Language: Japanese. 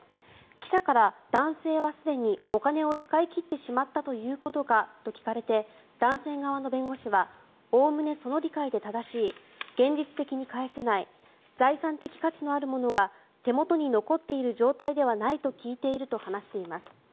記者から男性はすでにお金を使い切ってしまったということかと聞かれて男性側の弁護士はおおむねその理解で正しい現実的に返せない財産的価値のあるものが手元に残っている状態ではないと聞いていると話しています。